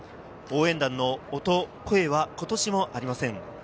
応援団の音、声は今年もありません。